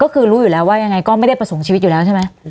ก็คือรู้อยู่แล้วว่ายังไงก็ไม่ได้ประสงค์ชีวิตอยู่แล้วใช่ไหม